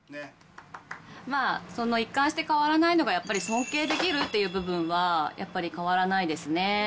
まあ、その一貫して変わらないのが、やっぱり尊敬できるっていう部分は、やっぱり変わらないですね。